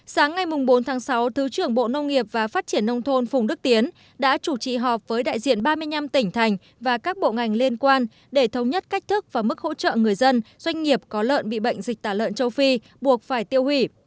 sáng ngày bốn tháng sáu thứ trưởng bộ nông nghiệp và phát triển nông thôn phùng đức tiến đã chủ trị họp với đại diện ba mươi năm tỉnh thành và các bộ ngành liên quan để thống nhất cách thức và mức hỗ trợ người dân doanh nghiệp có lợn bị bệnh dịch tả lợn châu phi buộc phải tiêu hủy